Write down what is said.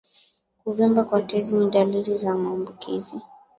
Kuvimba kwa tezi ni dalili za maambukizi